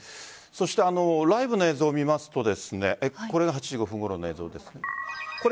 ライブの映像を見ますとこれが８時５分ごろの映像です。